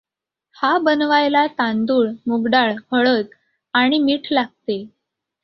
हा बनवायला तांदूळ, मूगडाळ, हळद आणि मीठ लागते.